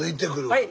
はい。